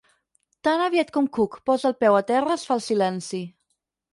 Tan aviat com Cook posa el peu a terra es fa el silenci.